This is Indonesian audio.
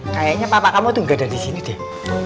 kayaknya papa kamu tuh gak ada disini deh